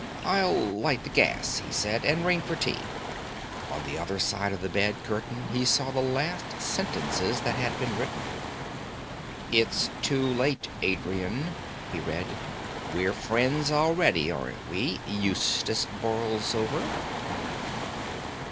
"I'll light the gas," he said, "and ring for tea." On the other side of the bed curtain he saw the last sentences that had been written. "It's too late, Adrian," he read. "We're friends already; aren't we, Eustace Borlsover?"